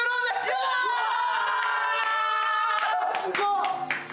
すごっ！